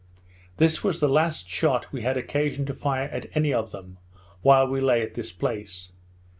This was the last shot we had occasion to fire at any of them, while we lay at this place.